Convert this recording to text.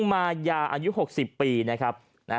มายาอายุ๖๐ปีนะครับ